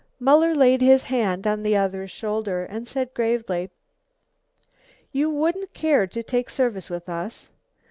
Muller laid his hand on the other's shoulder and said gravely: "You wouldn't care to take service with us?